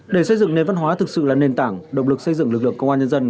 để xây dựng nền văn hóa thực sự là nền tảng động lực xây dựng lực lượng công an nhân dân